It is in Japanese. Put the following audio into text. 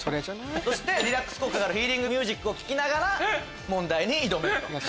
そしてリラックス効果があるヒーリングミュージックを聴きながら問題に挑める。